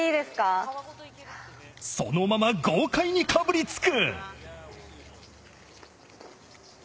そのまま豪快にかぶりつく。